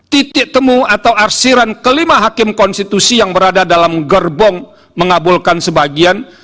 titik temu atau arsiran kelima hakim konstitusi yang berada dalam gerbong mengabulkan sebagian